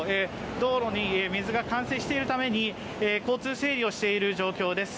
道路に水が冠水しているために交通整理をしている状況です。